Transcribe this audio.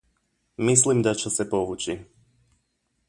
Mislim da ću se povući.